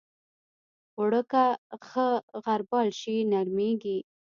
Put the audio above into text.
اوړه که ښه غربال شي، نرمېږي